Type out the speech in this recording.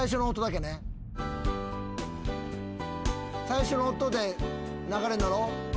最初の音で流れ乗ろう。